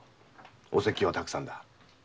お説教はたくさんだ。